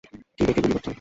কী দেখে গুলি করছো?